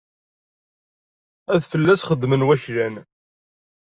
Ad fell-as xedmen waklan.